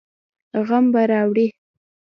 غم به راوړي.